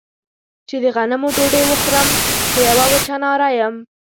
چې د غنمو ډوډۍ وخورم په يوه وچه ناره يم.